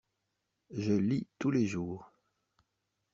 Je lis tous les jours.